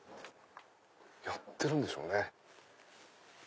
やってるんでしょうね。